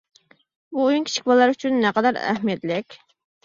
بۇ ئويۇن كىچىك بالىلار ئۈچۈن نەقەدەر ئەھمىيەتلىك؟